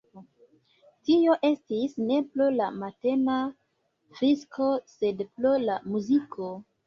Tio estis ne pro la matena frisko, sed pro la muziko.